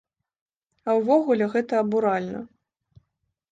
А ўвогуле, гэта абуральна.